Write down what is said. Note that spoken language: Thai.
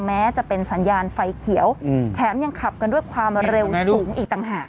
แม้จะเป็นสัญญาณไฟเขียวแถมยังขับกันด้วยความเร็วสูงอีกต่างหาก